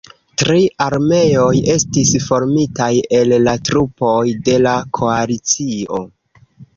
Tri armeoj estis formitaj el la trupoj de la koalicio.